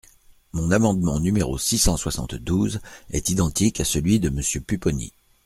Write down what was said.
Mon amendement numéro six cent soixante-douze est identique à celui de Monsieur Pupponi.